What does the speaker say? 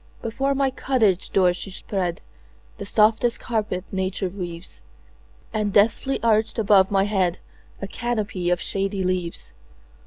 Before my cottage door she spreadThe softest carpet nature weaves, And deftly arched above my headA canopy of shady leaves.